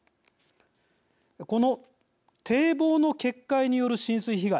この堤防の決壊による浸水被害